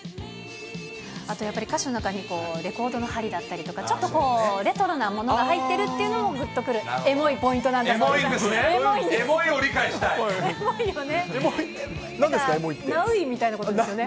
あと、やっぱり歌詞の中に、レコードの針だったりとか、ちょっとこう、レトロなものが入っているというのも、ぐっとくるエモいポイントエモいポイントね。